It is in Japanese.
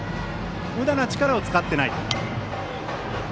むだな力を使っていない。